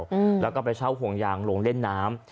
อืมแล้วก็ไปเช่าห่วงยางลงเล่นน้ำ